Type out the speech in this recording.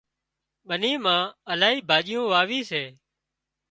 ٻني مان الاهي ڀاڄيون واوي سي